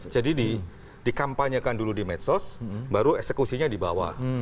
jadi dikampanyekan dulu di medsos baru eksekusinya dibawa